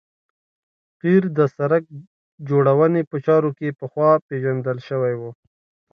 قیر د سرک جوړونې په چارو کې پخوا پیژندل شوی و